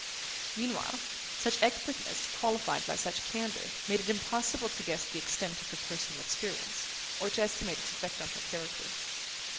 Meanwhile, such expertness qualified by such candour made it impossible to guess the extent of her personal experience, or to estimate its effect on her character.